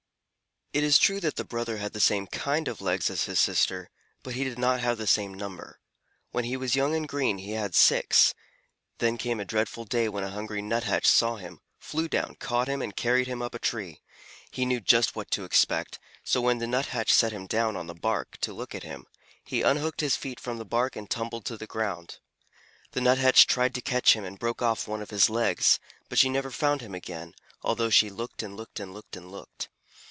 It is true that the brother had the same kind of legs as his sister, but he did not have the same number. When he was young and green he had six, then came a dreadful day when a hungry Nuthatch saw him, flew down, caught him, and carried him up a tree. He knew just what to expect, so when the Nuthatch set him down on the bark to look at him, he unhooked his feet from the bark and tumbled to the ground. The Nuthatch tried to catch him and broke off one of his legs, but she never found him again, although she looked and looked and looked and looked.